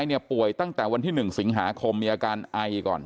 เนี่ยป่วยตั้งแต่วันที่๑สิงหาคมมีอาการไอก่อน